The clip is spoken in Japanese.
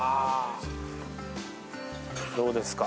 どうですか？